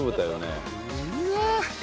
うわ！